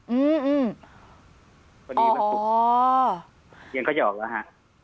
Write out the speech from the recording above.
อืมอ๋อยังเขายอบแล้วฮะ